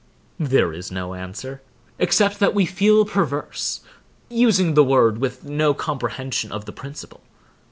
There is no answer, except that we feel perverse, using the word with no comprehension of the principle.